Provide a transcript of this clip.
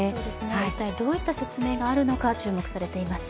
一体どういった説明があるのか注目されています。